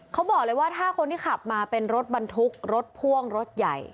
เขาบอกเลยว่าถ้าคนที่ขับมาเป็นรถบรรทุกรถพ่วงรถใหญ่